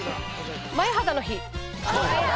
前畑の日！？